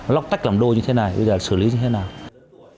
lóc tách làm đô như thế này bây giờ xử lý như thế nào